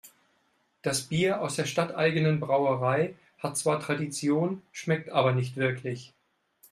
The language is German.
Das Bier aus der stadteigenen Brauerei hat zwar Tradition, schmeckt aber nicht wirklich.